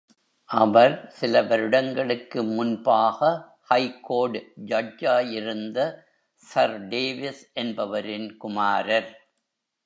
அவர், சில வருடங்களுக்கு முன்பாக ஹைகோர்ட் ஜட்ஜாயிருந்த சர் டேவிஸ் என்பவரின் குமாரர்.